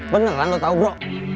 beneran lu tau bro